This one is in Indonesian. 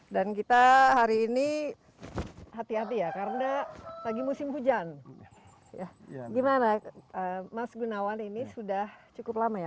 dan kita hari ini hati hati ya karena lagi musim hujan gimana mas gunawan ini sudah cukup lama ya